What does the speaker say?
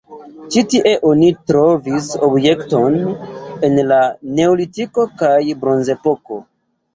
Ĉi tie oni trovis objektojn el la neolitiko kaj bronzepoko.